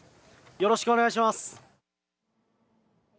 よろしくお願いします。